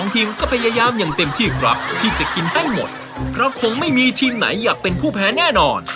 ทีมก็พยายามอย่างเต็มที่ครับที่จะกินให้หมดเพราะคงไม่มีทีมไหนอยากเป็นผู้แพ้แน่นอน